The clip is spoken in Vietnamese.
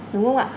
đúng không ạ